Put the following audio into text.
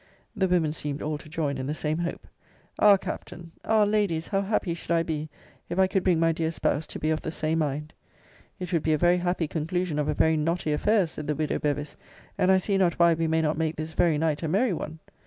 The women seemed all to join in the same hope. Ah, Captain! Ah, Ladies! how happy should I be, if I could bring my dear spouse to be of the same mind! It would be a very happy conclusion of a very knotty affair, said the widow Bevis; and I see not why we may not make this very night a merry one.